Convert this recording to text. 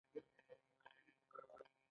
هغې د صادق اواز په اړه خوږه موسکا هم وکړه.